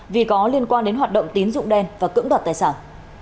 vì có liên quan đến hoạt động tín dụng đen và cưỡng đoạt tài sản